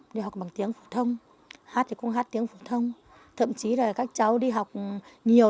đi học bằng tiếng phổ thông hát thì cũng hát tiếng phổ thông thậm chí là các cháu đi học nhiều